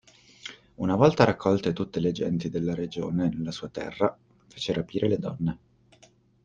Una volta raccolte tutte le genti della regione nella sua terra, fece rapire le donne.